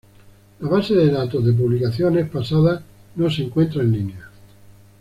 La base de datos de publicaciones pasadas no se encuentra en línea.